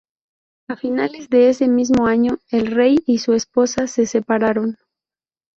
A finales de ese mismo año, el rey y su esposa se separaron.